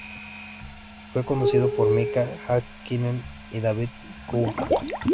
Fue conducido por Mika Häkkinen y David Coulthard.